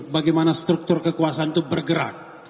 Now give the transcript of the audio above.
bagaimana struktur kekuasaan itu bergerak